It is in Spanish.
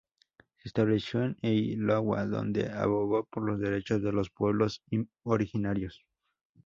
Se estableció en Iowa, donde abogó por los derechos de los pueblos originarios.